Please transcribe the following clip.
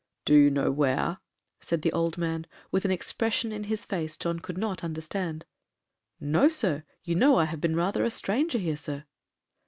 'Do you know where?' said the old man, with an expression in his face John could not understand. 'No, Sir; you know I have been rather a stranger here, Sir.'